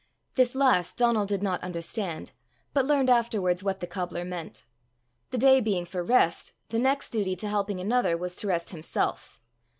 This last Donal did not understand, but learned afterwards what the cobbler meant: the day being for rest, the next duty to helping another was to rest himself.